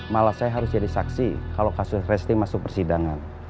malah saya harus jadi saksi kalau kasus resti masuk persidangan